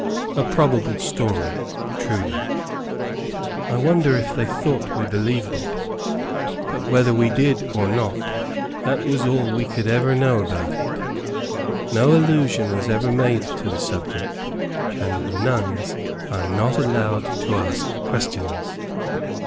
A probable story, truly! I wonder if they thought we believed it! But whether we did or not, that was all we could ever know about it. No allusion was ever made to the subject, and nuns are not allowed to ask questions.